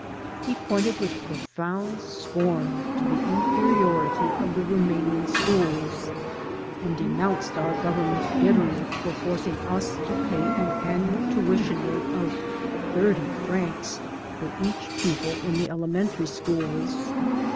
He pointed with profound scorn to the inferiority of the Rumanian schools, and denounced our Government bitterly for forcing us to pay an annual tuition rate of thirty francs for each pupil in the elementary schools.